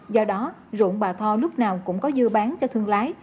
do đó ruộng bà tho lúc nào cũng có dư bán cho thương lái